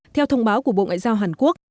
theo thông báo của bộ ngoại giao hàn quốc